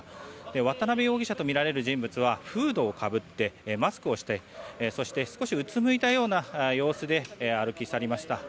渡邉容疑者とみられる人物はフードをかぶってマスクをして少しうつむいたような様子で歩き去りました。